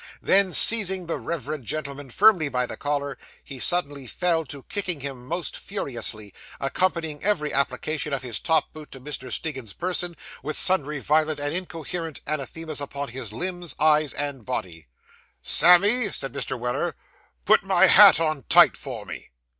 Then, seizing the reverend gentleman firmly by the collar, he suddenly fell to kicking him most furiously, accompanying every application of his top boot to Mr. Stiggins's person, with sundry violent and incoherent anathemas upon his limbs, eyes, and body. 'Sammy,' said Mr. Weller, 'put my hat on tight for me.